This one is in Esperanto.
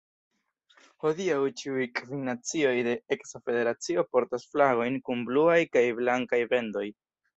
Hodiaŭ ĉiuj kvin nacioj de eksa federacio portas flagojn kun bluaj kaj blankaj bendoj.